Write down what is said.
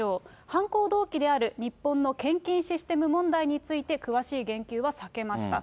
犯行動機である日本の献金システム問題について、詳しい言及は避けました。